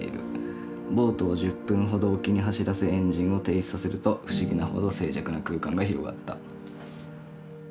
ボートを１０分ほど沖に走らせエンジンを停止させると不思議なほど静寂な空間が広がった」。